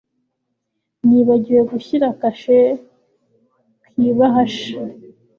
Nibagiwe gushyira kashe ku ibahasha.